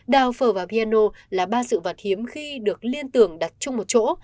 đào phở và piano là ba sự vật hiếm khi được liên tưởng đặt chung một chỗ